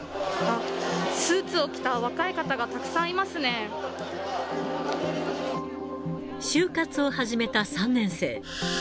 スーツを着た若い方がたくさ就活を始めた３年生。